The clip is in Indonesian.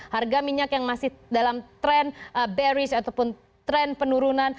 harga minyak yang masih dalam trend bearish ataupun trend penurunan